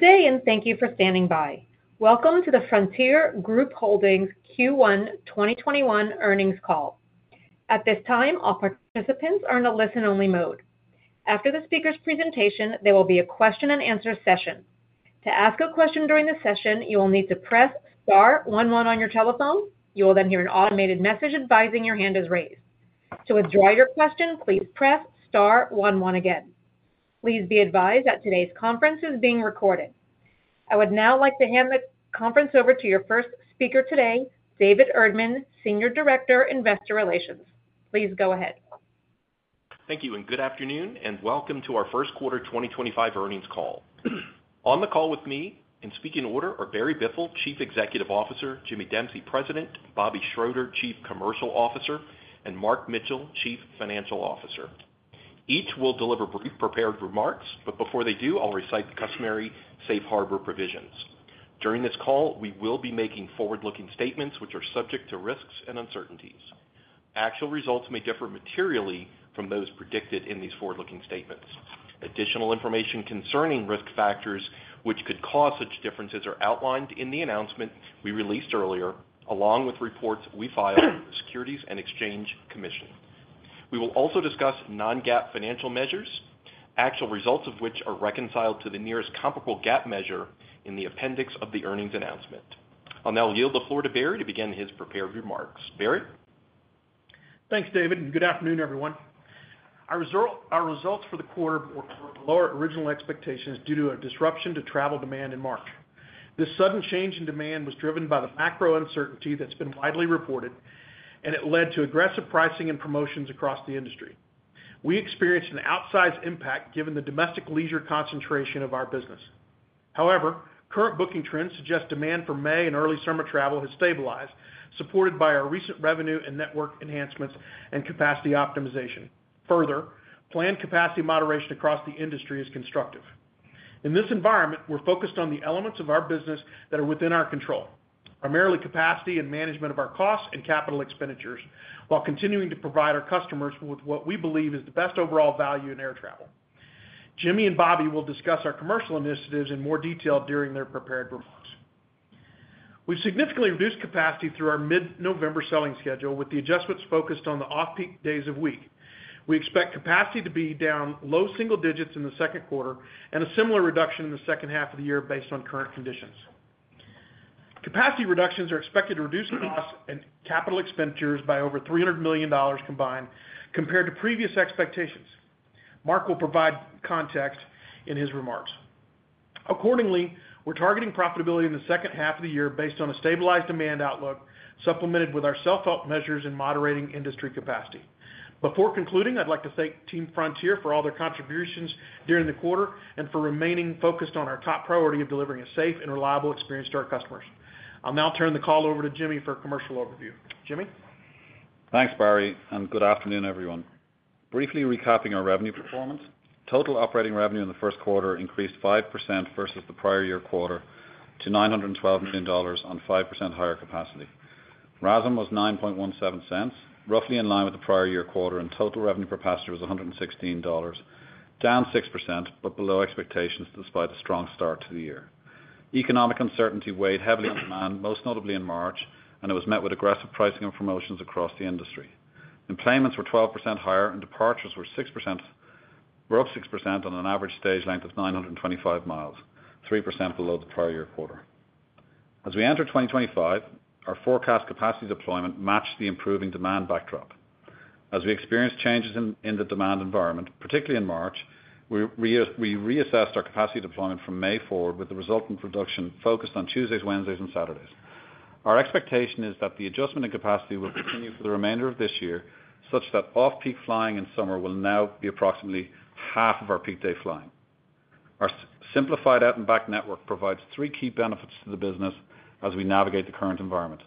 Good day, and thank you for standing by. Welcome to the Frontier Group Holdings Q1 2021 earnings call. At this time, all participants are in a listen-only mode. After the speaker's presentation, there will be a question-and-answer session. To ask a question during the session, you will need to press star one, one on your telephone. You will then hear an automated message advising your hand is raised. To withdraw your question, please press star one, one again. Please be advised that today's conference is being recorded. I would now like to hand the conference over to your first speaker today, David Erdman, Senior Director, Investor Relations. Please go ahead. Thank you, and good afternoon, and welcome to our first quarter 2025 earnings call. On the call with me in speaking order are Barry Biffle, Chief Executive Officer; Jimmy Dempsey, President; Bobby Schroeter, Chief Commercial Officer; and Mark Mitchell, Chief Financial Officer. Each will deliver brief prepared remarks, but before they do, I'll recite the customary safe harbor provisions. During this call, we will be making forward-looking statements which are subject to risks and uncertainties. Actual results may differ materially from those predicted in these forward-looking statements. Additional information concerning risk factors which could cause such differences are outlined in the announcement we released earlier, along with reports we filed with the Securities and Exchange Commission. We will also discuss non-GAAP financial measures, actual results of which are reconciled to the nearest comparable GAAP measure in the appendix of the earnings announcement. I'll now yield the floor to Barry to begin his prepared remarks. Barry. Thanks, David, and good afternoon, everyone. Our results for the quarter were below our original expectations due to a disruption to travel demand in March. This sudden change in demand was driven by the macro uncertainty that's been widely reported, and it led to aggressive pricing and promotions across the industry. We experienced an outsized impact given the domestic leisure concentration of our business. However, current booking trends suggest demand for May and early summer travel has stabilized, supported by our recent revenue and network enhancements and capacity optimization. Further, planned capacity moderation across the industry is constructive. In this environment, we're focused on the elements of our business that are within our control, primarily capacity and management of our costs and capital expenditures, while continuing to provide our customers with what we believe is the best overall value in air travel. Jimmy and Bobby will discuss our commercial initiatives in more detail during their prepared remarks. We have significantly reduced capacity through our mid-November selling schedule, with the adjustments focused on the off-peak days of the week. We expect capacity to be down low-single digits in the second quarter and a similar reduction in the second half of the year based on current conditions. Capacity reductions are expected to reduce costs and capital expenditures by over $300 million combined, compared to previous expectations. Mark will provide context in his remarks. Accordingly, we are targeting profitability in the second half of the year based on a stabilized demand outlook, supplemented with our self-help measures in moderating industry capacity. Before concluding, I would like to thank Team Frontier for all their contributions during the quarter and for remaining focused on our top priority of delivering a safe and reliable experience to our customers. I'll now turn the call over to Jimmy for a commercial overview. Jimmy. Thanks, Barry, and good afternoon, everyone. Briefly recapping our revenue performance, total operating revenue in the first quarter increased 5% versus the prior year quarter to $912 million on 5% higher capacity. RASM was $0.0917, roughly in line with the prior year quarter, and total revenue per passenger was $116, down 6% but below expectations despite a strong start to the year. Economic uncertainty weighed heavily on demand, most notably in March, and it was met with aggressive pricing and promotions across the industry. Employments were 12% higher, and departures were up 6% on an average stage length of 925 mi, 3% below the prior year quarter. As we enter 2025, our forecast capacity deployment matched the improving demand backdrop. As we experienced changes in the demand environment, particularly in March, we reassessed our capacity deployment from May forward with the resultant reduction focused on Tuesdays, Wednesdays, and Saturdays. Our expectation is that the adjustment in capacity will continue for the remainder of this year, such that off-peak flying in summer will now be approximately half of our peak-day flying. Our simplified out-and-back network provides three key benefits to the business as we navigate the current environment.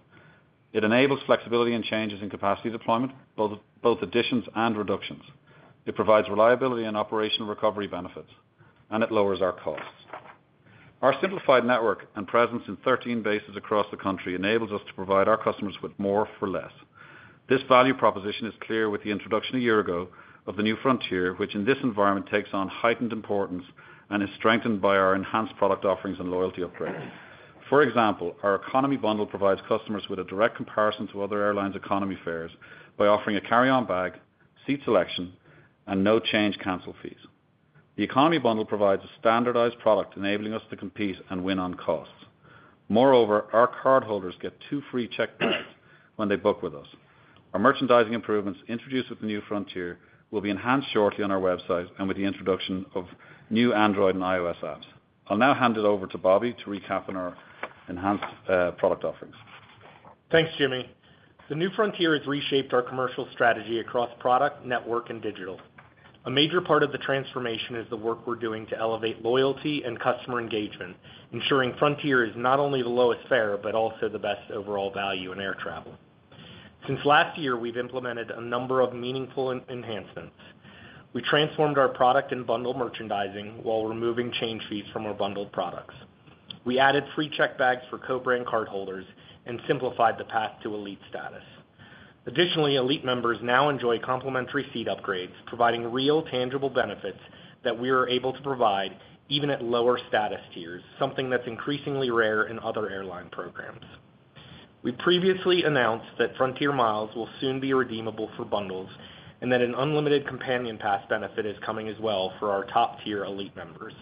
It enables flexibility and changes in capacity deployment, both additions and reductions. It provides reliability and operational recovery benefits, and it lowers our costs. Our simplified network and presence in 13 bases across the country enables us to provide our customers with more for less. This value proposition is clear with the introduction a year ago of the new Frontier, which in this environment takes on heightened importance and is strengthened by our enhanced product offerings and loyalty upgrades. For example, our economy bundle provides customers with a direct comparison to other airlines' economy fares by offering a carry-on bag, seat selection, and no change cancel fees. The economy bundle provides a standardized product, enabling us to compete and win on costs. Moreover, our cardholders get two free checked bags when they book with us. Our merchandising improvements introduced with the new Frontier will be enhanced shortly on our website and with the introduction of new Android and iOS apps. I'll now hand it over to Bobby to recap on our enhanced product offerings. Thanks, Jimmy. The new Frontier has reshaped our commercial strategy across product, network, and digital. A major part of the transformation is the work we're doing to elevate loyalty and customer engagement, ensuring Frontier is not only the lowest fare but also the best overall value in air travel. Since last year, we've implemented a number of meaningful enhancements. We transformed our product and bundle merchandising while removing change fees from our bundled products. We added free checked bags for co-brand cardholders and simplified the path to elite status. Additionally, elite members now enjoy complimentary seat upgrades, providing real, tangible benefits that we are able to provide even at lower status tiers, something that's increasingly rare in other airline programs. We previously announced that Frontier Miles will soon be redeemable for bundles and that an unlimited Companion Pass benefit is coming as well for our top-tier elite members,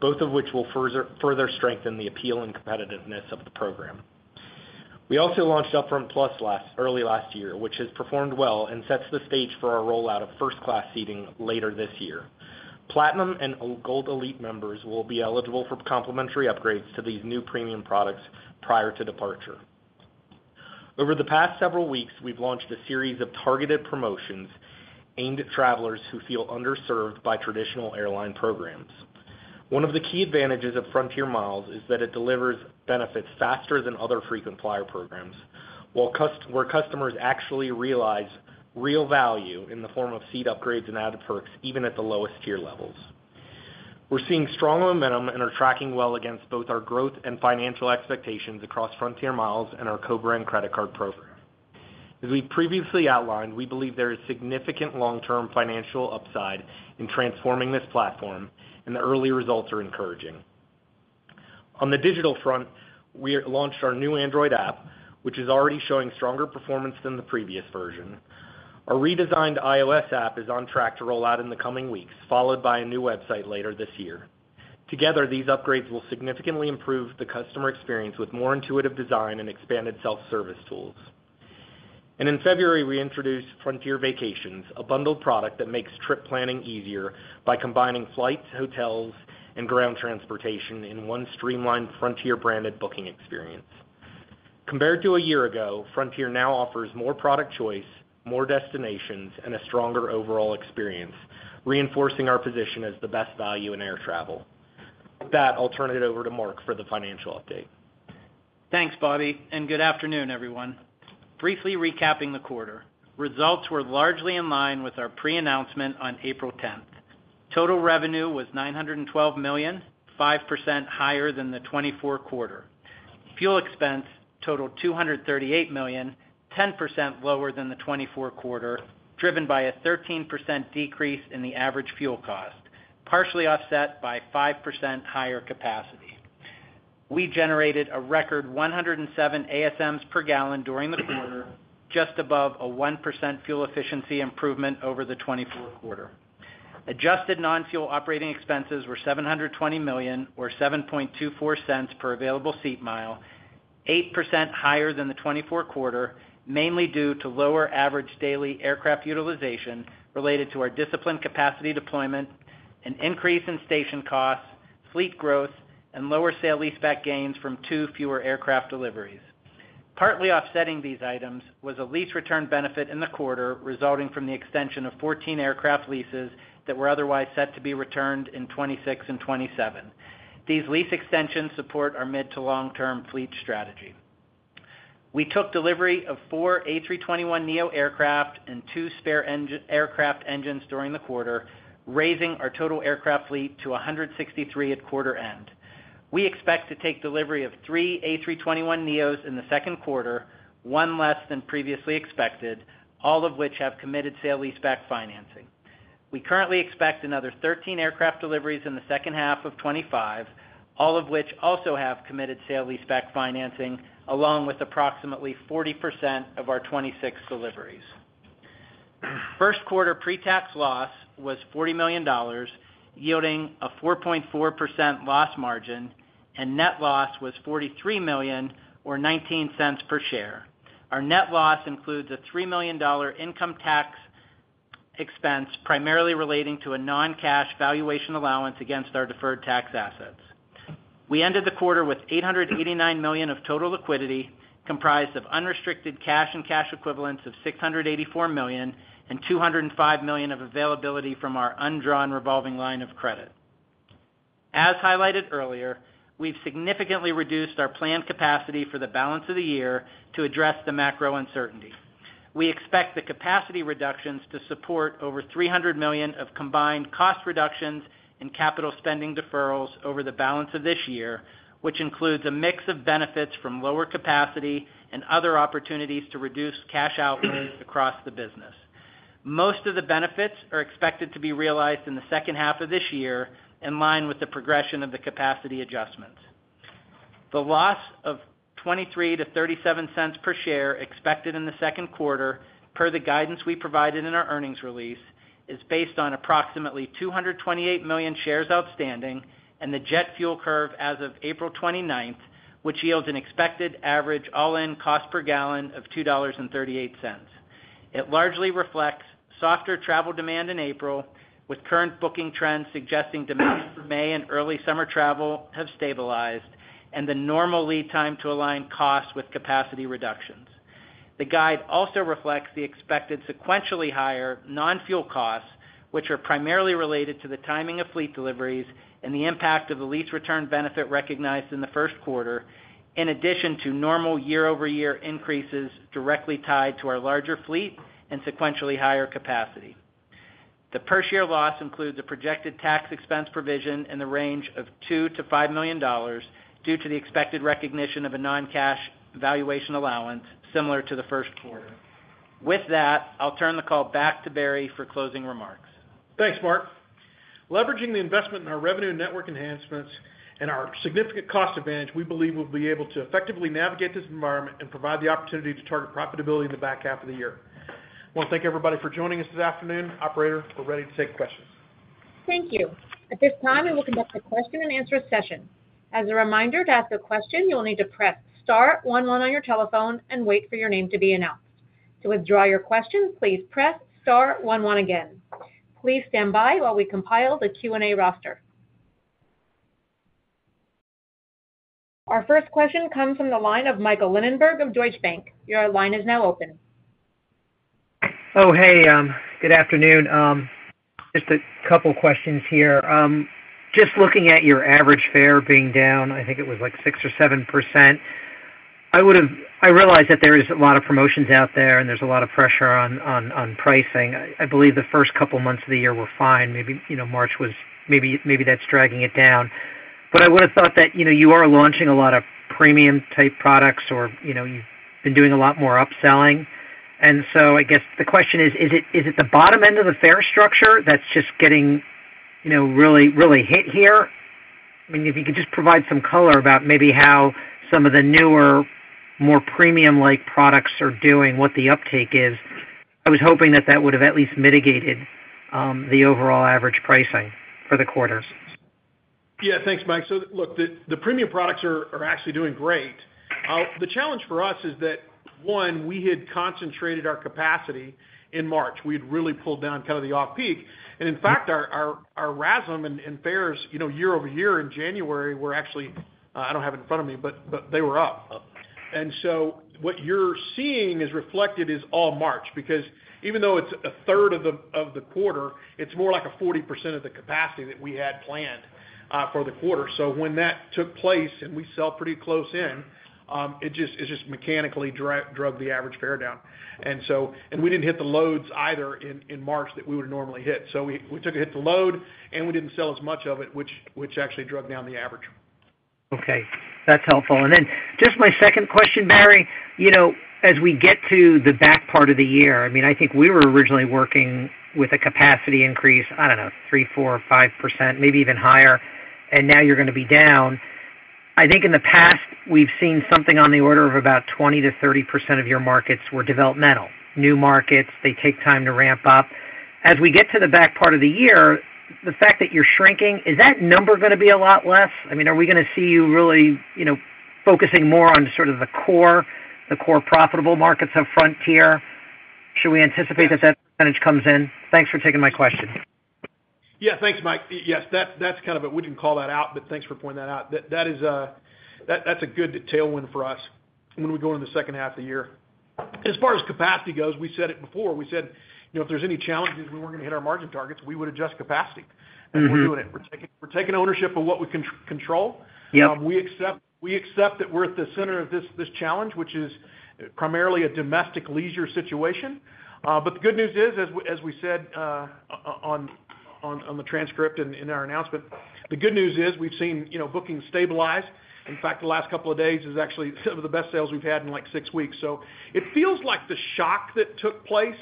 both of which will further strengthen the appeal and competitiveness of the program. We also launched UpFront Plus early last year, which has performed well and sets the stage for our rollout of first-class seating later this year. Platinum and Gold elite members will be eligible for complimentary upgrades to these new premium products prior to departure. Over the past several weeks, we've launched a series of targeted promotions aimed at travelers who feel underserved by traditional airline programs. One of the key advantages of Frontier Miles is that it delivers benefits faster than other frequent flyer programs, where customers actually realize real value in the form of seat upgrades and added perks even at the lowest tier levels. We're seeing strong momentum and are tracking well against both our growth and financial expectations across Frontier Miles and our co-brand credit card program. As we've previously outlined, we believe there is significant long-term financial upside in transforming this platform, and the early results are encouraging. On the digital front, we launched our new Android app, which is already showing stronger performance than the previous version. Our redesigned iOS app is on track to roll out in the coming weeks, followed by a new website later this year. Together, these upgrades will significantly improve the customer experience with more intuitive design and expanded self-service tools. In February, we introduced Frontier Vacations, a bundled product that makes trip planning easier by combining flights, hotels, and ground transportation in one streamlined Frontier-branded booking experience. Compared to a year ago, Frontier now offers more product choice, more destinations, and a stronger overall experience, reinforcing our position as the best value in air travel. With that, I'll turn it over to Mark for the financial update. Thanks, Bobby, and good afternoon, everyone. Briefly recapping the quarter, results were largely in line with our pre-announcement on April 10. Total revenue was $912 million, 5% higher than the 2024 quarter. Fuel expense totaled $238 million, 10% lower than the 2024 quarter, driven by a 13% decrease in the average fuel cost, partially offset by 5% higher capacity. We generated a record 107 ASMs per gallon during the quarter, just above a 1% fuel efficiency improvement over the 2024 quarter. Adjusted non-fuel operating expenses were $720 million, or $0.0724 per available seat mile, 8% higher than the 2024 quarter, mainly due to lower average daily aircraft utilization related to our disciplined capacity deployment, an increase in station costs, fleet growth, and lower sale lease-back gains from two fewer aircraft deliveries. Partly offsetting these items was a lease return benefit in the quarter resulting from the extension of 14 aircraft leases that were otherwise set to be returned in 2026-2027. These lease extensions support our mid-to-long-term fleet strategy. We took delivery of four A321neo aircraft and two spare aircraft engines during the quarter, raising our total aircraft fleet to 163 at quarter end. We expect to take delivery of three A321neos in the second quarter, one less than previously expected, all of which have committed sale lease-back financing. We currently expect another 13 aircraft deliveries in the second half of 2025, all of which also have committed sale lease-back financing, along with approximately 40% of our 2026 deliveries. First quarter pre-tax loss was $40 million, yielding a 4.4% loss margin, and net loss was $43 million, or $0.19 per share. Our net loss includes a $3 million income tax expense primarily relating to a non-cash valuation allowance against our deferred tax assets. We ended the quarter with $889 million of total liquidity, comprised of unrestricted cash and cash equivalents of $684 million and $205 million of availability from our undrawn revolving line of credit. As highlighted earlier, we have significantly reduced our planned capacity for the balance of the year to address the macro uncertainty. We expect the capacity reductions to support over $300 million of combined cost reductions and capital spending deferrals over the balance of this year, which includes a mix of benefits from lower capacity and other opportunities to reduce cash outlays across the business. Most of the benefits are expected to be realized in the second half of this year, in line with the progression of the capacity adjustments. The loss of $0.23-$0.37 per share expected in the second quarter, per the guidance we provided in our earnings release, is based on approximately 228 million shares outstanding and the jet fuel curve as of April 29th, which yields an expected average all-in cost per gallon of $2.38. It largely reflects softer travel demand in April, with current booking trends suggesting demand for May and early summer travel have stabilized and the normal lead time to align costs with capacity reductions. The guide also reflects the expected sequentially higher non-fuel costs, which are primarily related to the timing of fleet deliveries and the impact of the lease return benefit recognized in the first quarter, in addition to normal year-over-year increases directly tied to our larger fleet and sequentially higher capacity. The per-share loss includes a projected tax expense provision in the range of $2 million-$5 million due to the expected recognition of a non-cash valuation allowance similar to the first quarter. With that, I'll turn the call back to Barry for closing remarks. Thanks, Mark. Leveraging the investment in our revenue network enhancements and our significant cost advantage, we believe we'll be able to effectively navigate this environment and provide the opportunity to target profitability in the back half of the year. I want to thank everybody for joining us this afternoon. Operator, we're ready to take questions. Thank you. At this time, we will conduct a question-and-answer session. As a reminder, to ask a question, you'll need to press Star one, one on your telephone and wait for your name to be announced. To withdraw your question, please press Star one, one again. Please stand by while we compile the Q&A roster. Our first question comes from the line of Michael Linenberg of Deutsche Bank. Your line is now open. Oh, hey. Good afternoon. Just a couple of questions here. Just looking at your average fare being down, I think it was like 6% or 7%. I realize that there is a lot of promotions out there and there's a lot of pressure on pricing. I believe the first couple of months of the year were fine. Maybe March was maybe that's dragging it down. I would have thought that you are launching a lot of premium-type products or you've been doing a lot more upselling. And so I guess the question is, is it the bottom end of the fare structure that's just getting really hit here? I mean, if you could just provide some color about maybe how some of the newer, more premium-like products are doing, what the uptake is, I was hoping that that would have at least mitigated the overall average pricing for the quarters. Yeah, thanks, Mike. Look, the premium products are actually doing great. The challenge for us is that, one, we had concentrated our capacity in March. We had really pulled down kind of the off-peak. In fact, our RASM and fares year-over-year in January were actually—I do not have it in front of me, but they were up. What you are seeing is reflected as all March because even though it is a third of the quarter, it is more like 40% of the capacity that we had planned for the quarter. When that took place and we sell pretty close in, it just mechanically dragged the average fare down. We did not hit the loads either in March that we would have normally hit. We took a hit to load and we did not sell as much of it, which actually dragged down the average. Okay. That's helpful. Just my second question, Barry, as we get to the back part of the year, I mean, I think we were originally working with a capacity increase, I don't know, 3-4-5%, maybe even higher, and now you're going to be down. I think in the past, we've seen something on the order of about 20%-30% of your markets were developmental. New markets, they take time to ramp up. As we get to the back part of the year, the fact that you're shrinking, is that number going to be a lot less? I mean, are we going to see you really focusing more on sort of the core, the core profitable markets of Frontier? Should we anticipate that that percentage comes in? Thanks for taking my question. Yeah, thanks, Mike. Yes, that's kind of a—we didn't call that out, but thanks for pointing that out. That's a good tailwind for us when we go into the second half of the year. As far as capacity goes, we said it before. We said if there's any challenges, we weren't going to hit our margin targets, we would adjust capacity. We're doing it. We're taking ownership of what we control. We accept that we're at the center of this challenge, which is primarily a domestic leisure situation. The good news is, as we said on the transcript and in our announcement, the good news is we've seen bookings stabilize. In fact, the last couple of days is actually some of the best sales we've had in like six weeks. It feels like the shock that took place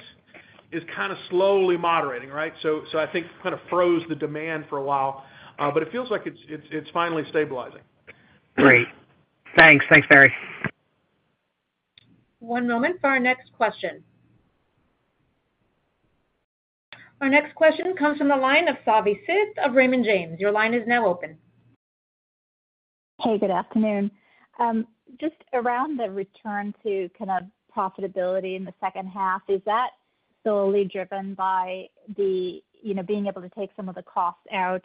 is kind of slowly moderating, right? I think kind of froze the demand for a while, but it feels like it's finally stabilizing. Great. Thanks. Thanks, Barry. One moment for our next question. Our next question comes from the line of Savi Syth of Raymond James. Your line is now open. Hey, good afternoon. Just around the return to kind of profitability in the second half, is that solely driven by the being able to take some of the costs out,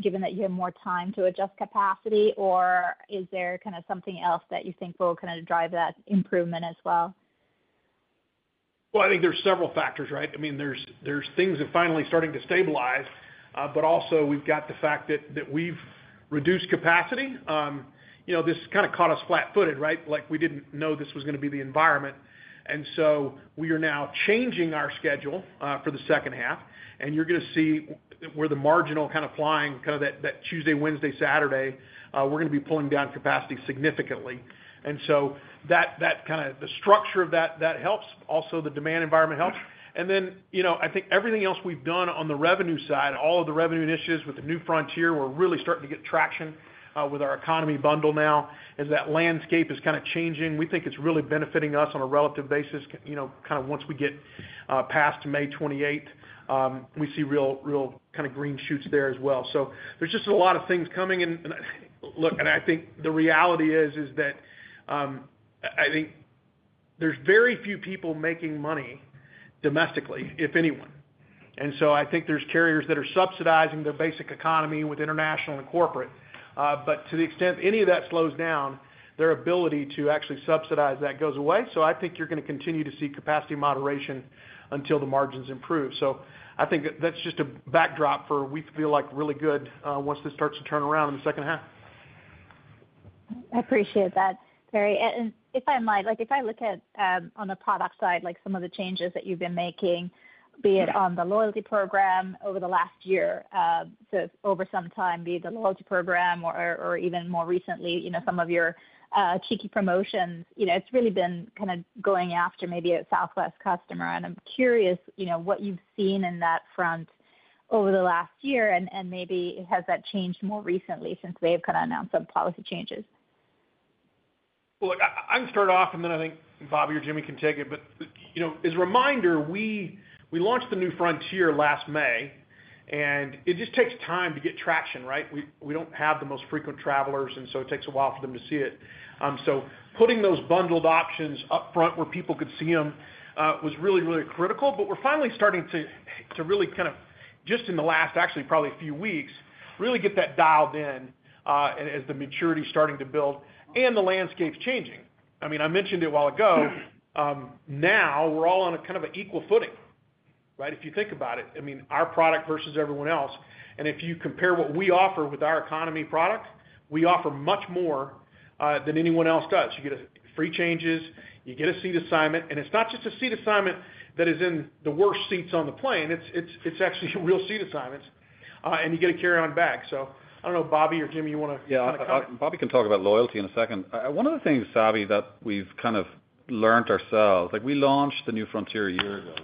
given that you have more time to adjust capacity, or is there kind of something else that you think will kind of drive that improvement as well? I think there's several factors, right? I mean, there's things that are finally starting to stabilize, but also we've got the fact that we've reduced capacity. This kind of caught us flat-footed, right? We didn't know this was going to be the environment. We are now changing our schedule for the second half, and you're going to see where the marginal kind of flying, kind of that Tuesday, Wednesday, Saturday, we're going to be pulling down capacity significantly. That kind of the structure of that helps. Also, the demand environment helps. I think everything else we've done on the revenue side, all of the revenue initiatives with the new Frontier, we're really starting to get traction with our economy bundle now, as that landscape is kind of changing. We think it's really benefiting us on a relative basis, kind of once we get past May 28, we see real kind of green shoots there as well. There's just a lot of things coming. Look, I think the reality is that I think there's very few people making money domestically, if anyone. I think there's carriers that are subsidizing their basic economy with international and corporate. To the extent any of that slows down, their ability to actually subsidize that goes away. I think you're going to continue to see capacity moderation until the margins improve. I think that's just a backdrop for we feel like really good once this starts to turn around in the second half. I appreciate that, Barry. If I'm right, if I look at on the product side, some of the changes that you've been making, be it on the loyalty program over the last year, so over some time, be it the loyalty program or even more recently, some of your cheeky promotions, it's really been kind of going after maybe a Southwest customer. I'm curious what you've seen in that front over the last year, and maybe has that changed more recently since they've kind of announced some policy changes. I can start off, and then I think Bobby or Jimmy can take it. As a reminder, we launched the new Frontier last May, and it just takes time to get traction, right? We do not have the most frequent travelers, and it takes a while for them to see it. Putting those bundled options upfront where people could see them was really, really critical. We are finally starting to really kind of just in the last, actually, probably a few weeks, really get that dialed in as the maturity is starting to build and the landscape is changing. I mean, I mentioned it a while ago. Now we are all on kind of an equal footing, right? If you think about it, I mean, our product versus everyone else. If you compare what we offer with our economy product, we offer much more than anyone else does. You get free changes, you get a seat assignment, and it's not just a seat assignment that is in the worst seats on the plane. It's actually real seat assignments, and you get a carry-on bag. I don't know, Bobby or Jimmy, you want to kind of comment? Yeah, Bobby can talk about loyalty in a second. One of the things, Savi, that we've kind of learned ourselves, we launched the new Frontier a year ago,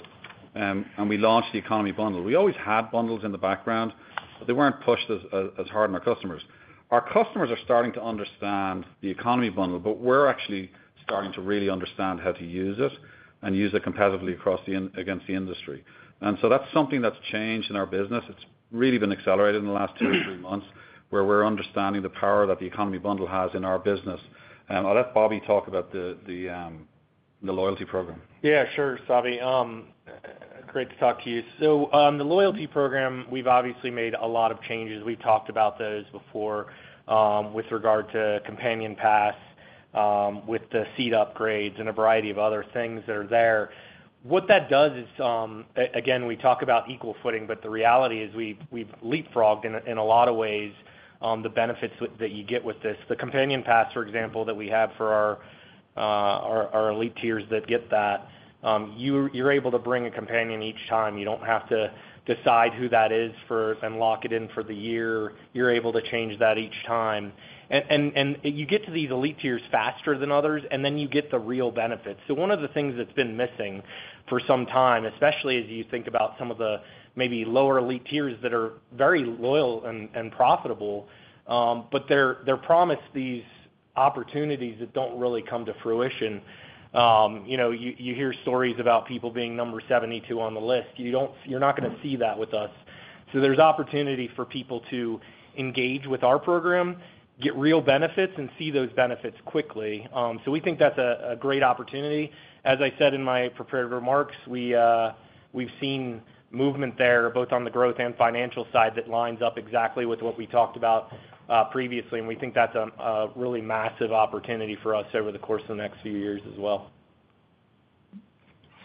and we launched the economy bundle. We always had bundles in the background, but they weren't pushed as hard on our customers. Our customers are starting to understand the economy bundle, but we're actually starting to really understand how to use it and use it competitively against the industry. That is something that's changed in our business. It's really been accelerated in the last two or three months where we're understanding the power that the economy bundle has in our business. I'll let Bobby talk about the loyalty program. Yeah, sure, Savi. Great to talk to you. The loyalty program, we've obviously made a lot of changes. We've talked about those before with regard to Companion Pass with the seat upgrades and a variety of other things that are there. What that does is, again, we talk about equal footing, but the reality is we've leapfrogged in a lot of ways the benefits that you get with this. The Companion Pass, for example, that we have for our elite tiers that get that, you're able to bring a companion each time. You don't have to decide who that is and lock it in for the year. You're able to change that each time. You get to these elite tiers faster than others, and then you get the real benefits. One of the things that's been missing for some time, especially as you think about some of the maybe lower elite tiers that are very loyal and profitable, but they're promised these opportunities that don't really come to fruition. You hear stories about people being number 72 on the list. You're not going to see that with us. There's opportunity for people to engage with our program, get real benefits, and see those benefits quickly. We think that's a great opportunity. As I said in my prepared remarks, we've seen movement there both on the growth and financial side that lines up exactly with what we talked about previously. We think that's a really massive opportunity for us over the course of the next few years as well.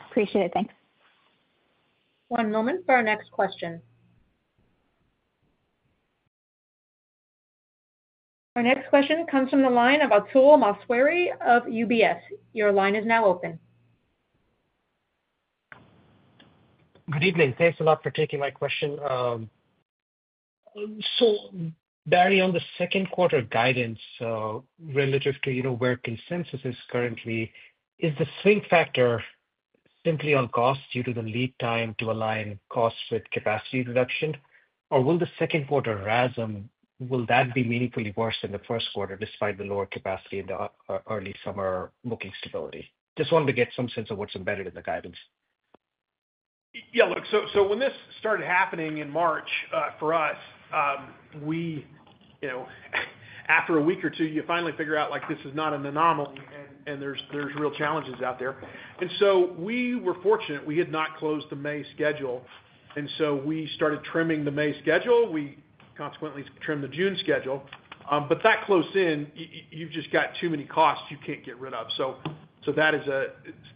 Appreciate it. Thanks. One moment for our next question. Our next question comes from the line of Atul Maheswari of UBS. Your line is now open. Good evening. Thanks a lot for taking my question. Barry, on the second quarter guidance relative to where consensus is currently, is the swing factor simply on cost due to the lead time to align cost with capacity reduction? Will the second quarter RASM, will that be meaningfully worse than the first quarter despite the lower capacity in the early-summer booking stability? Just wanted to get some sense of what's embedded in the guidance. Yeah, look, when this started happening in March for us, after a week or two, you finally figure out this is not an anomaly and there's real challenges out there. We were fortunate. We had not closed the May schedule. We started trimming the May schedule. We consequently trimmed the June schedule. That closed in, you've just got too many costs you can't get rid of.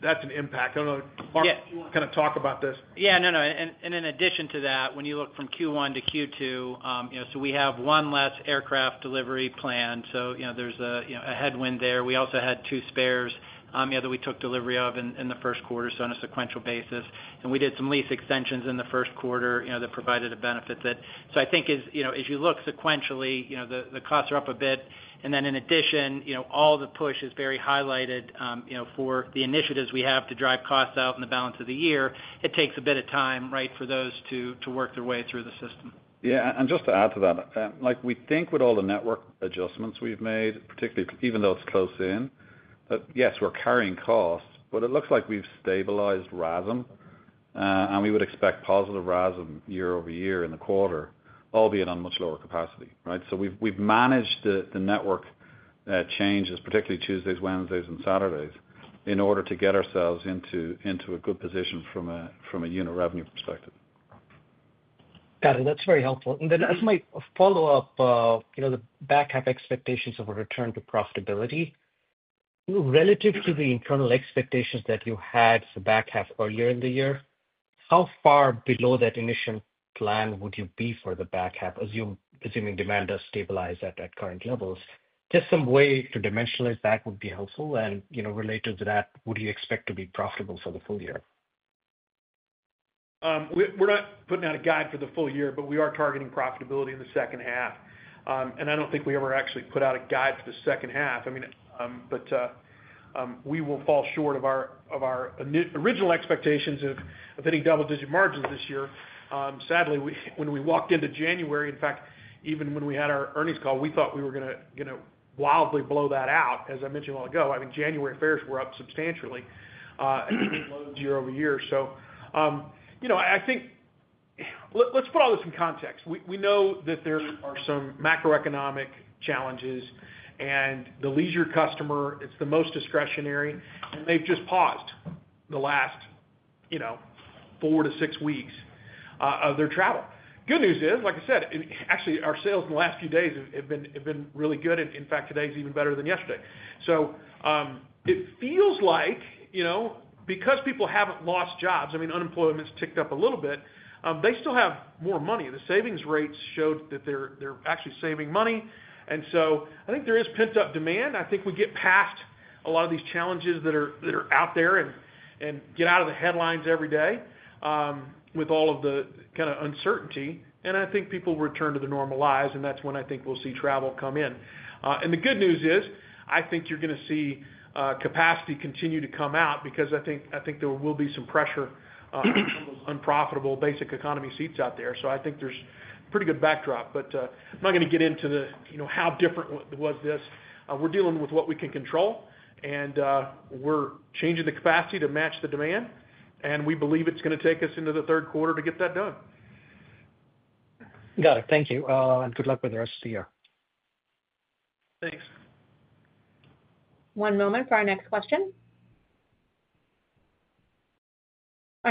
That's an impact. I don't know. Yeah. Mark kind of talk about this. Yeah, no, no. In addition to that, when you look from Q1 to Q2, we have one less aircraft delivery planned. There is a headwind there. We also had two spares that we took delivery of in the first quarter on a sequential basis. We did some lease extensions in the first quarter that provided a benefit. I think as you look sequentially, the costs are up a bit. In addition, all the push is very highlighted for the initiatives we have to drive costs out in the balance of the year. It takes a bit of time, right, for those to work their way through the system. Yeah. Just to add to that, we think with all the network adjustments we've made, particularly even though it's closed in, that yes, we're carrying costs, but it looks like we've stabilized RASM, and we would expect positive RASM year-over-year in the quarter, albeit on much lower capacity, right? We've managed the network changes, particularly Tuesdays, Wednesdays, and Saturdays, in order to get ourselves into a good position from a unit revenue perspective. Got it. That's very helpful. As my follow-up, the back half expectations of a return to profitability, relative to the internal expectations that you had for back half earlier in the year, how far below that initial plan would you be for the back half, assuming demand does stabilize at current levels? Just some way to dimensionalize that would be helpful. Related to that, what do you expect to be profitable for the full year? We're not putting out a guide for the full year, but we are targeting profitability in the second half. I don't think we ever actually put out a guide for the second half. I mean, we will fall short of our original expectations of any double-digit margins this year. Sadly, when we walked into January, in fact, even when we had our earnings call, we thought we were going to wildly blow that out. As I mentioned a while ago, I mean, January fares were up substantially year-over-year. I think let's put all this in context. We know that there are some macroeconomic challenges, and the leisure customer, it's the most discretionary, and they've just paused the last four to six weeks of their travel. Good news is, like I said, actually, our sales in the last few days have been really good. In fact, today's even better than yesterday. It feels like because people haven't lost jobs, I mean, unemployment's ticked up a little bit, they still have more money. The savings rates showed that they're actually saving money. I think there is pent-up demand. I think we get past a lot of these challenges that are out there and get out of the headlines every day with all of the kind of uncertainty. I think people return to their normal lives, and that's when I think we'll see travel come in. The good news is I think you're going to see capacity continue to come out because I think there will be some pressure on those unprofitable basic economy seats out there. I think there's a pretty good backdrop. I'm not going to get into how different was this. We're dealing with what we can control, and we're changing the capacity to match the demand. We believe it's going to take us into the third quarter to get that done. Got it. Thank you. Good luck with the rest of the year. Thanks. One moment for our next question. Our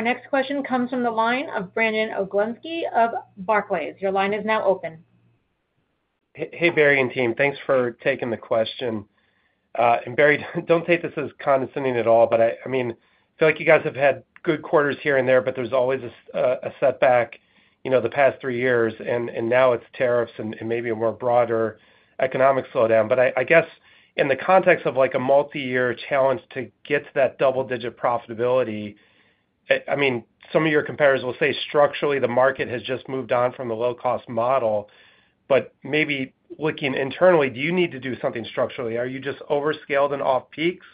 next question comes from the line of Brandon Oglenski of Barclays. Your line is now open. Hey, Barry and team. Thanks for taking the question. Barry, don't take this as condescending at all, but I mean, I feel like you guys have had good quarters here and there, but there's always a setback the past three years. Now it's tariffs and maybe a more broader economic slowdown. I guess in the context of a multi-year challenge to get to that double-digit profitability, I mean, some of your competitors will say structurally the market has just moved on from the low-cost model. Maybe looking internally, do you need to do something structurally? Are you just overscaled and off peaks?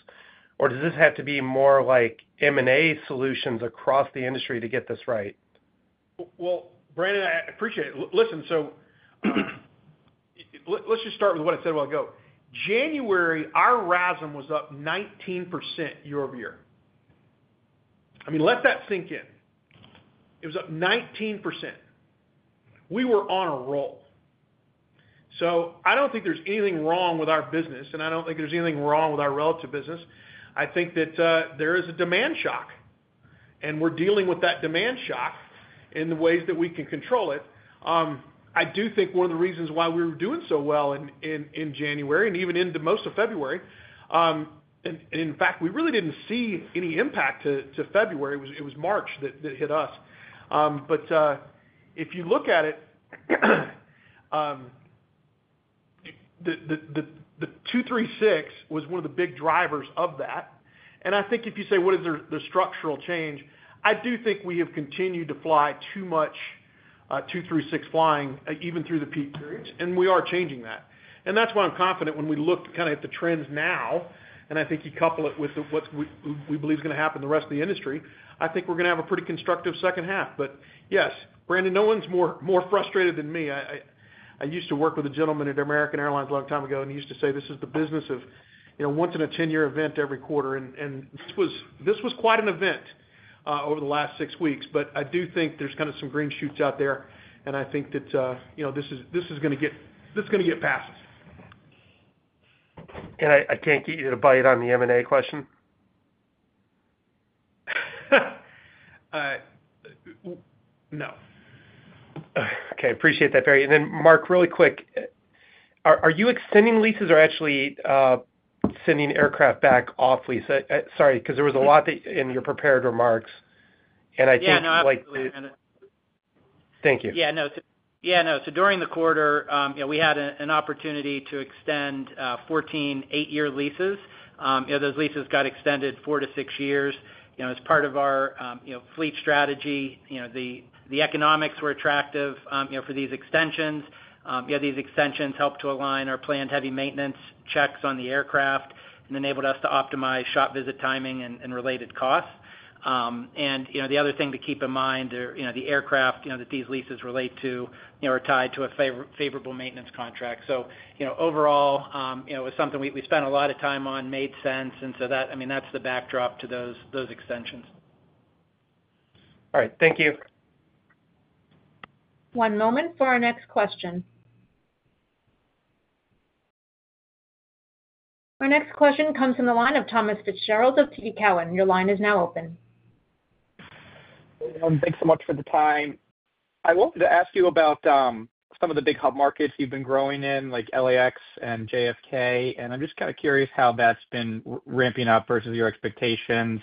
Does this have to be more like M&A solutions across the industry to get this right? Brandon, I appreciate it. Listen, let's just start with what I said a while ago. January, our RASM was up 19% year-over-year. I mean, let that sink in. It was up 19%. We were on a roll. I don't think there's anything wrong with our business, and I don't think there's anything wrong with our relative business. I think that there is a demand shock, and we're dealing with that demand shock in the ways that we can control it. I do think one of the reasons why we were doing so well in January and even into most of February, and in fact, we really didn't see any impact to February. It was March that hit us. If you look at it, the 236 was one of the big drivers of that. I think if you say, "What is the structural change?" I do think we have continued to fly too much 236 flying even through the peak periods. We are changing that. That is why I'm confident when we look kind of at the trends now, and I think you couple it with what we believe is going to happen in the rest of the industry, I think we're going to have a pretty constructive second half. Yes, Brandon, no one's more frustrated than me. I used to work with a gentleman at American Airlines a long time ago, and he used to say, "This is the business of once in a 10-year event every quarter." This was quite an event over the last six weeks. I do think there's kind of some green shoots out there, and I think that this is going to get passive. Can I get you to bite on the M&A question? No. Okay. Appreciate that, Barry. Mark, really quick, are you extending leases or actually sending aircraft back off lease? Sorry, because there was a lot in your prepared remarks. I think. Yeah, no, I was just. Like. Wait a minute. Thank you. Yeah, no. During the quarter, we had an opportunity to extend 14 eight-year leases. Those leases got extended four to six years as part of our fleet strategy. The economics were attractive for these extensions. These extensions helped to align our planned heavy maintenance checks on the aircraft and enabled us to optimize shop visit timing and related costs. The other thing to keep in mind, the aircraft that these leases relate to are tied to a favorable maintenance contract. Overall, it was something we spent a lot of time on, made sense. I mean, that's the backdrop to those extensions. All right. Thank you. One moment for our next question. Our next question comes from the line of Thomas Fitzgerald of TD Cowen. Your line is now open. Thanks so much for the time. I wanted to ask you about some of the big hub markets you've been growing in, like LAX and JFK. I'm just kind of curious how that's been ramping up versus your expectations.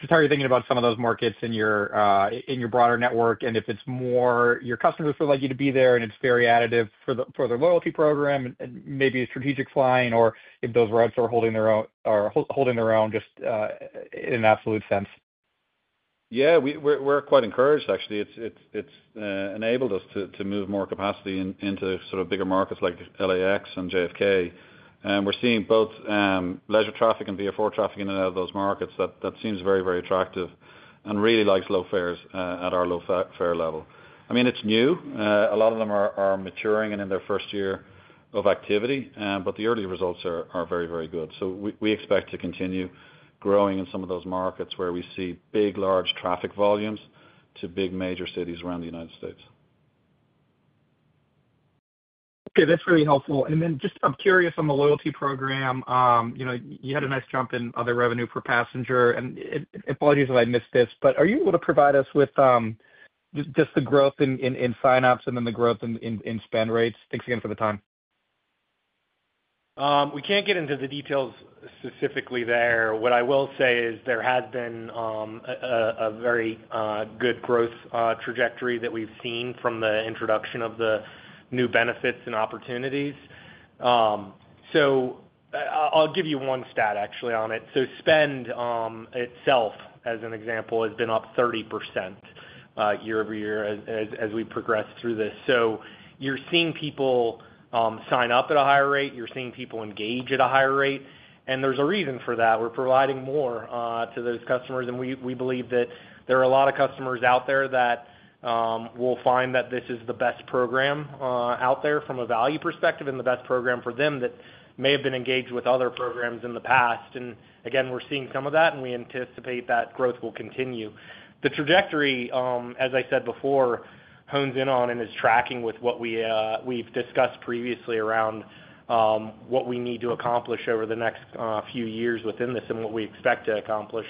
Just how are you thinking about some of those markets in your broader network and if it's more your customers would like you to be there and it's very additive for their loyalty program and maybe strategic flying or if those routes are holding their own just in absolute sense? Yeah, we're quite encouraged, actually. It's enabled us to move more capacity into sort of bigger markets like LAX and JFK. We're seeing both leisure traffic and VFR traffic in and out of those markets. That seems very, very attractive and really likes low fares at our low fare level. I mean, it's new. A lot of them are maturing and in their first year of activity. The early results are very, very good. We expect to continue growing in some of those markets where we see big, large traffic volumes to big major cities around the United States. Okay. That's really helpful. I am curious on the loyalty program. You had a nice jump in other revenue per passenger. Apologies if I missed this, but are you able to provide us with just the growth in sign-ups and the growth in spend rates? Thanks again for the time. We can't get into the details specifically there. What I will say is there has been a very good growth trajectory that we've seen from the introduction of the new benefits and opportunities. I'll give you one stat actually on it. Spend itself, as an example, has been up 30% year-over-year as we progressed through this. You're seeing people sign up at a higher rate. You're seeing people engage at a higher rate. There's a reason for that. We're providing more to those customers. We believe that there are a lot of customers out there that will find that this is the best program out there from a value perspective and the best program for them that may have been engaged with other programs in the past. Again, we're seeing some of that, and we anticipate that growth will continue. The trajectory, as I said before, hones in on and is tracking with what we've discussed previously around what we need to accomplish over the next few years within this and what we expect to accomplish.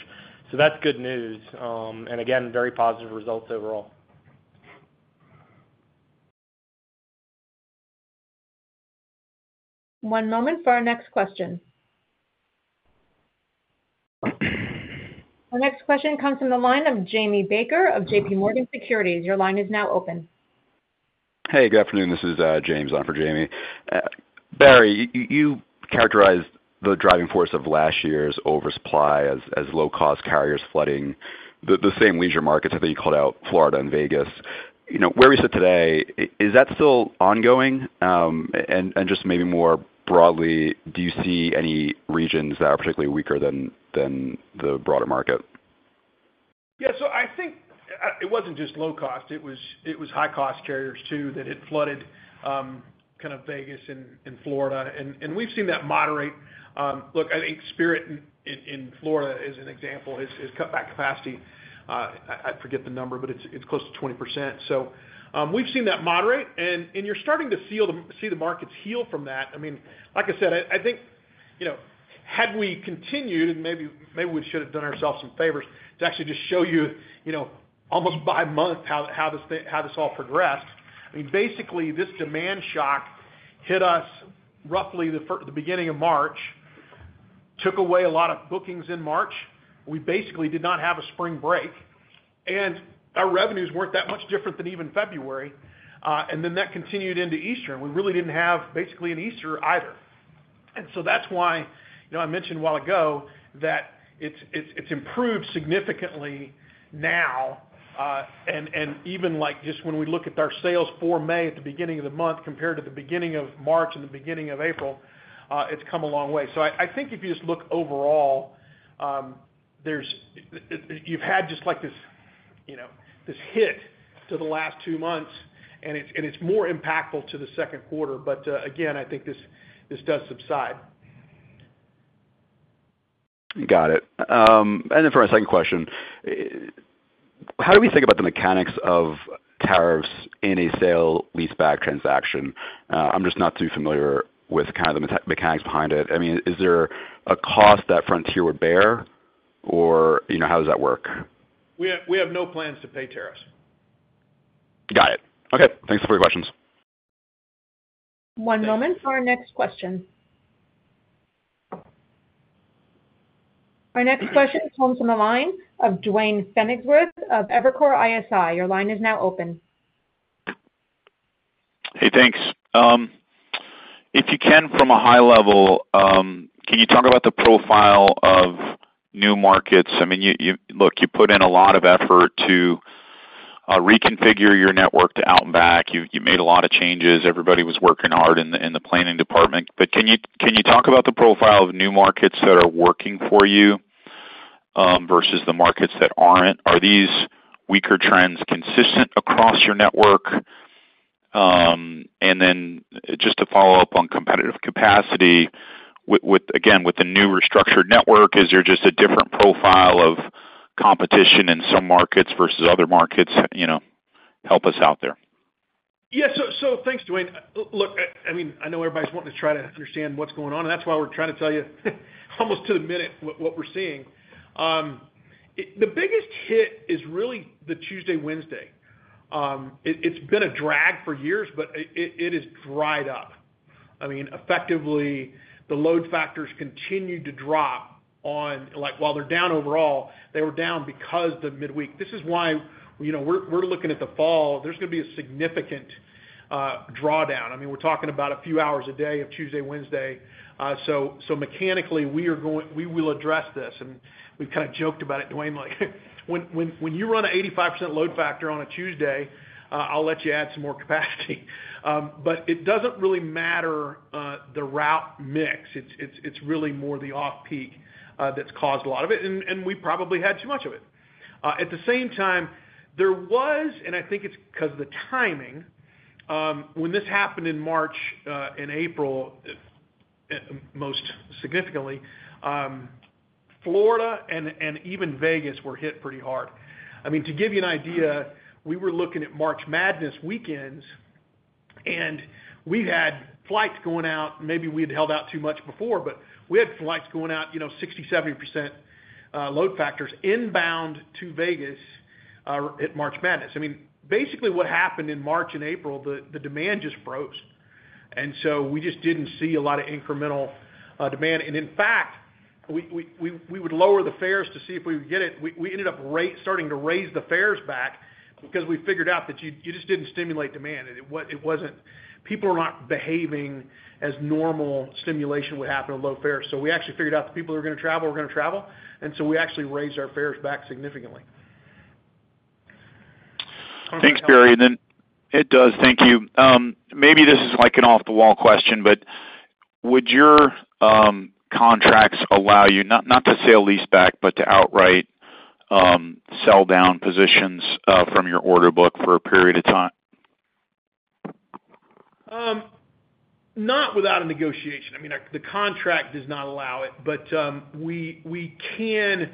That is good news. Again, very positive results overall. One moment for our next question. Our next question comes from the line of Jamie Baker of JPMorgan Securities. Your line is now open. Hey, good afternoon. This is James on for Jamie. Barry, you characterized the driving force of last year's oversupply as low-cost carriers flooding the same leisure markets. I think you called out Florida and Vegas. Where we sit today, is that still ongoing? Just maybe more broadly, do you see any regions that are particularly weaker than the broader market? Yeah. I think it was not just low-cost. It was high-cost carriers too that had flooded kind of Vegas and Florida. We have seen that moderate. Look, I think Spirit in Florida as an example has cut back capacity. I forget the number, but it is close to 20%. We have seen that moderate. You are starting to see the markets heal from that. I mean, like I said, I think had we continued, and maybe we should have done ourselves some favors to actually just show you almost by month how this all progressed. I mean, basically, this demand shock hit us roughly the beginning of March, took away a lot of bookings in March. We basically did not have a spring break. Our revenues were not that much different than even February. That continued into Easter. We really did not have basically an Easter either. That's why I mentioned a while ago that it's improved significantly now. Even just when we look at our sales for May at the beginning of the month compared to the beginning of March and the beginning of April, it's come a long way. I think if you just look overall, you've had just this hit to the last two months, and it's more impactful to the second quarter. Again, I think this does subside. Got it. For our second question, how do we think about the mechanics of tariffs in a sale lease-back transaction? I'm just not too familiar with kind of the mechanics behind it. I mean, is there a cost that Frontier would bear, or how does that work? We have no plans to pay tariffs. Got it. Okay. Thanks for the questions. One moment for our next question. Our next question comes from the line of Duane Pfennigwerth of Evercore ISI. Your line is now open. Hey, thanks. If you can from a high level, can you talk about the profile of new markets? I mean, look, you put in a lot of effort to reconfigure your network to out and back. You made a lot of changes. Everybody was working hard in the planning department. Can you talk about the profile of new markets that are working for you versus the markets that aren't? Are these weaker trends consistent across your network? Just to follow up on competitive capacity, again, with the new restructured network, is there just a different profile of competition in some markets versus other markets? Help us out there. Yeah. Thanks, Duane. Look, I mean, I know everybody's wanting to try to understand what's going on. That's why we're trying to tell you almost to the minute what we're seeing. The biggest hit is really the Tuesday, Wednesday. It's been a drag for years, but it has dried up. I mean, effectively, the load factors continue to drop on while they're down overall, they were down because of midweek. This is why we're looking at the fall. There's going to be a significant drawdown. I mean, we're talking about a few hours a day of Tuesday, Wednesday. Mechanically, we will address this. We've kind of joked about it, Duane, like when you run an 85% load factor on a Tuesday, I'll let you add some more capacity. It doesn't really matter the route mix. It's really more the off-peak that's caused a lot of it. We probably had too much of it. At the same time, there was, and I think it's because of the timing, when this happened in March and April most significantly, Florida and even Vegas were hit pretty hard. I mean, to give you an idea, we were looking at March Madness weekends, and we had flights going out. Maybe we had held out too much before, but we had flights going out 60%-70% load factors inbound to Vegas at March Madness. I mean, basically what happened in March and April, the demand just froze. We just didn't see a lot of incremental demand. In fact, we would lower the fares to see if we would get it. We ended up starting to raise the fares back because we figured out that you just did not stimulate demand. People are not behaving as normal stimulation would happen on low fares. We actually figured out the people who were going to travel were going to travel. We actually raised our fares back significantly. Thanks, Barry. Thank you. Maybe this is like an off-the-wall question, but would your contracts allow you not to sale lease-back, but to outright sell-down positions from your order book for a period of time? Not without a negotiation. I mean, the contract does not allow it. We can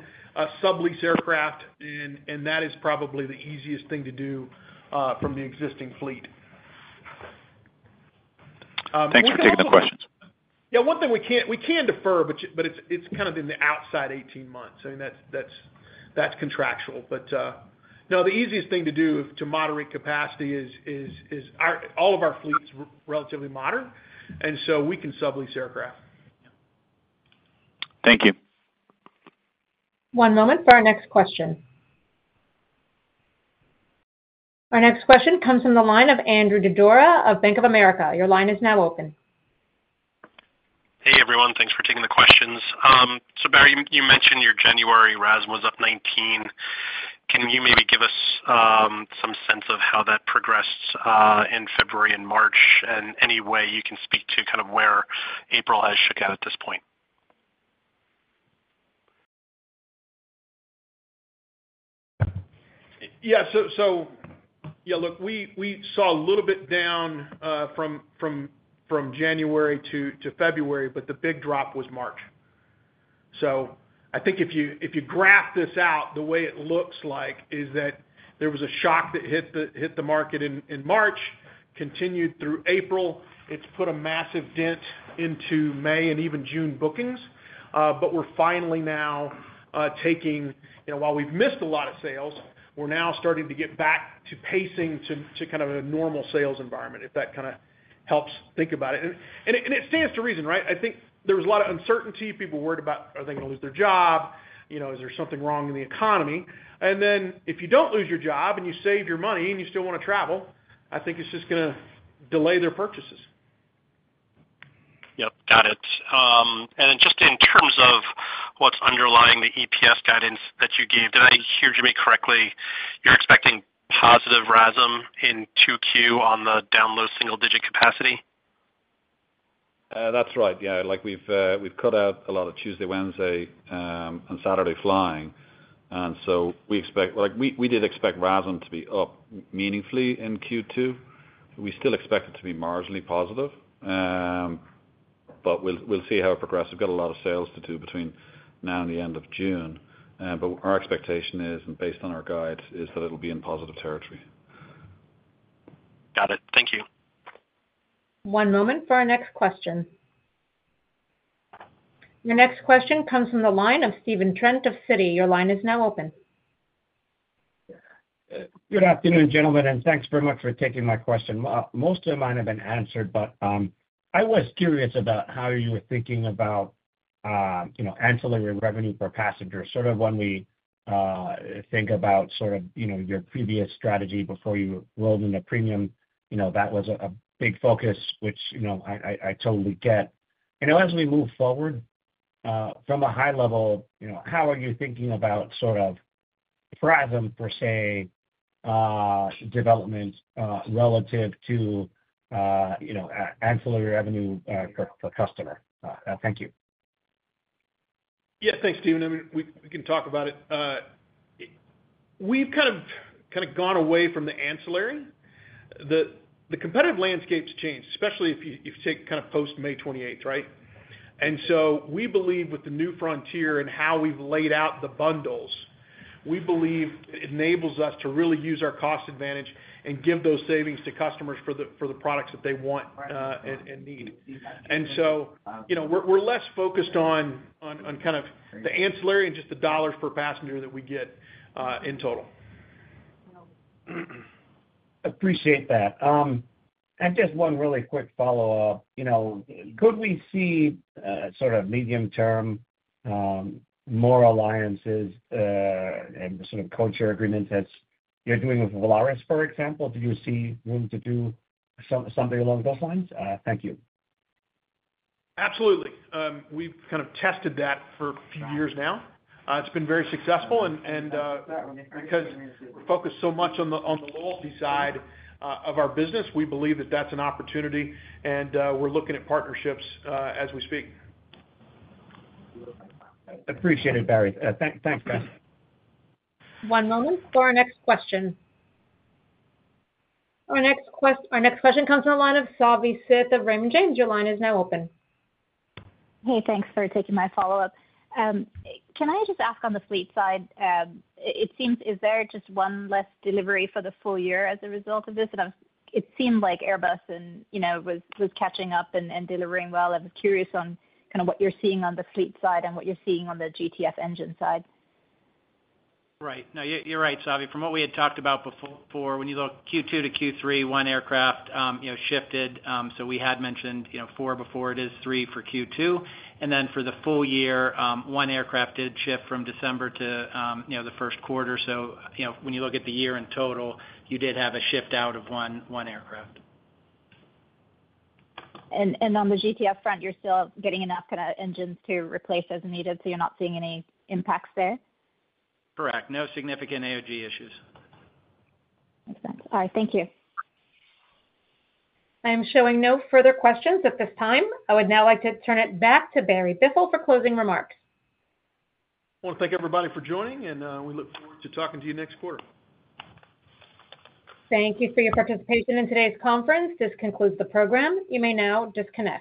sublease aircraft, and that is probably the easiest thing to do from the existing fleet. Thanks for taking the questions. Yeah. One thing we can't defer, but it's kind of in the outside 18 months. I mean, that's contractual. No, the easiest thing to do to moderate capacity is all of our fleets are relatively modern. And so we can sublease aircraft. Thank you. One moment for our next question. Our next question comes from the line of Andrew Didora of Bank of America. Your line is now open. Hey, everyone. Thanks for taking the questions. Barry, you mentioned your January RASM was up 19. Can you maybe give us some sense of how that progressed in February and March and any way you can speak to kind of where April has shook out at this point? Yeah. Yeah, look, we saw a little bit down from January to February, but the big drop was March. I think if you graph this out, the way it looks like is that there was a shock that hit the market in March, continued through April. It has put a massive dent into May and even June bookings. We are finally now taking, while we have missed a lot of sales, we are now starting to get back to pacing to kind of a normal sales environment, if that kind of helps think about it. It stands to reason, right? I think there was a lot of uncertainty. People worried about, are they going to lose their job? Is there something wrong in the economy? If you do not lose your job and you save your money and you still want to travel, I think it is just going to delay their purchases. Yep. Got it. In terms of what's underlying the EPS guidance that you gave, did I hear you correctly? You're expecting positive RASM in Q2 on the down low-single-digit capacity? That's right. Yeah. We've cut out a lot of Tuesday, Wednesday, and Saturday flying. We did expect RASM to be up meaningfully in Q2. We still expect it to be marginally positive. We'll see how it progresses. We've got a lot of sales to do between now and the end of June. Our expectation is, and based on our guides, that it'll be in positive territory. Got it. Thank you. One moment for our next question. Your next question comes from the line of Stephen Trent of Citi. Your line is now open. Good afternoon, gentlemen. Thanks very much for taking my question. Most of mine have been answered, but I was curious about how you were thinking about ancillary revenue per passenger, sort of when we think about sort of your previous strategy before you rolled into premium. That was a big focus, which I totally get. As we move forward from a high level, how are you thinking about sort of RASM for, say, development relative to ancillary revenue per customer? Thank you. Yeah. Thanks, Stephen. I mean, we can talk about it. We've kind of gone away from the ancillary. The competitive landscape's changed, especially if you take kind of post-May 28, right? We believe with the new Frontier and how we've laid out the bundles, we believe it enables us to really use our cost advantage and give those savings to customers for the products that they want and need. We are less focused on kind of the ancillary and just the dollars per passenger that we get in total. Appreciate that. Just one really quick follow-up. Could we see sort of medium-term more alliances and sort of codeshare agreements as you're doing with Volaris, for example? Do you see room to do something along those lines? Thank you. Absolutely. We've kind of tested that for a few years now. It's been very successful. Because we focus so much on the loyalty side of our business, we believe that that's an opportunity. We're looking at partnerships as we speak. Appreciate it, Barry. Thanks, guys. One moment for our next question. Our next question comes from the line of Savi Syth of Raymond James. Your line is now open. Hey, thanks for taking my follow-up. Can I just ask on the fleet side? It seems is there just one less delivery for the full year as a result of this? It seemed like Airbus was catching up and delivering well. I was curious on kind of what you're seeing on the fleet side and what you're seeing on the GTF engine side. Right. No, you're right, Savi. From what we had talked about before, when you look Q2 to Q3, one aircraft shifted. We had mentioned four before. It is three for Q2. For the full year, one aircraft did shift from December to the first quarter. When you look at the year in total, you did have a shift out of one aircraft. On the GTF front, you're still getting enough kind of engines to replace as needed. You're not seeing any impacts there? Correct. No significant AOG issues. Makes sense. All right. Thank you. I am showing no further questions at this time. I would now like to turn it back to Barry Biffle for closing remarks. Thank everybody for joining. We look forward to talking to you next quarter. Thank you for your participation in today's conference. This concludes the program. You may now disconnect.